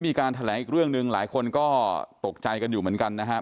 มีการแถลงอีกเรื่องหนึ่งหลายคนก็ตกใจกันอยู่เหมือนกันนะครับ